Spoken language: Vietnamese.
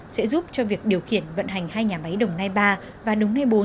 sẽ giúp cho việc điều khiển vận hành hai nhà máy đồng nai ba và đống nê bốn